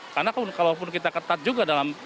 karena kalau pun kita ketat juga dalam